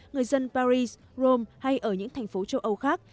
người dân paris rome hay ở những thành phố châu âu khác